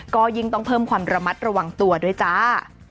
ก็ยิ่งต้องเพิ่มความระมัดระวังตัวด้วยจ้า